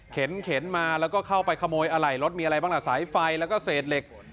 เข็นมาแล้วก็เข้าไปขโมยอะไหล่รถมีอะไรบ้างล่ะสายไฟแล้วก็เศษเหล็ก